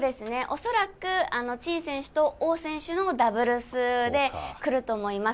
恐らく陳選手と王選手のダブルスでくると思います。